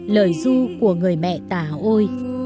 lời du của người mẹ tả ôi